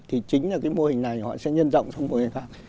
thì chính là cái mô hình này họ sẽ nhân rộng xong mô hình khác